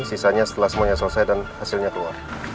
sisanya setelah semuanya selesai dan hasilnya keluar